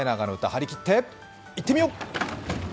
張り切っていってみよう！